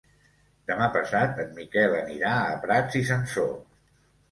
Demà passat en Miquel anirà a Prats i Sansor.